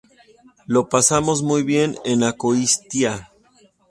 Lo pasamos muy bien en Azcoitia"".